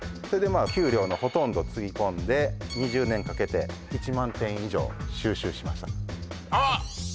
それでまあ給料のほとんどつぎ込んで２０年かけて１万点以上収集しましたあっ！